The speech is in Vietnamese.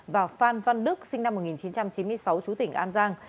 và phan văn đức sinh năm một nghìn chín trăm chín mươi sáu chú tỉnh an giang